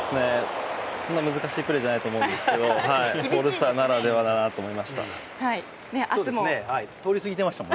そんな難しいプレーじゃないと思うんですけどオールスターならではだなと思いました。